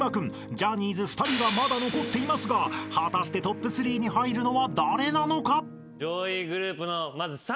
ジャニーズ２人がまだ残っていますが果たしてトップ３に入るのは誰なのか？］